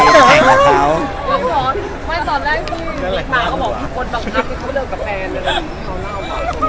ไม่ตอนแรกพี่มีตาเขาบอกว่าเป็นคนบังคับที่เขาเลิกกับแฟนอะไรอย่างนี้เขาน่าเอาไป